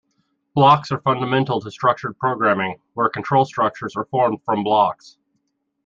Blocks are fundamental to structured programming, where control structures are formed from blocks.